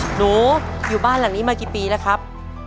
หนูอยู่บ้านหลังนี้มากี่ปีแล้วครับ